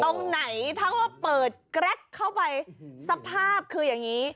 ตรงไหนเท่าว่าเปิดแกร๊กเข้าไปสภาพคือแบบนี้